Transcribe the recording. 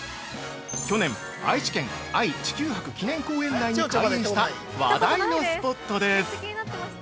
去年、愛知県愛・地球博記念公園内に開園した話題のスポットです。